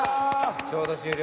ちょうど終了？